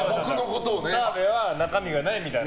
澤部は中身がないみたいな。